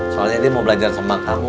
soalnya ini mau belajar sama kamu